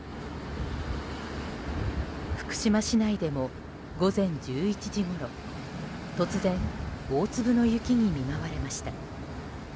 福島市内でも午前１１時ごろ突然、大粒の雪に見舞われました。